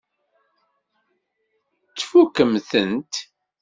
Tfukkem-tent?